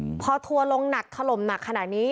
เมื่อทักทว์ลงหนักผลมหนักขนาดนี้